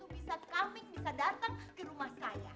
bisa kambing bisa datang ke rumah saya